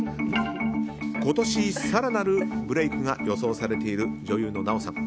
今年更なるブレークが予想されている女優の奈緒さん。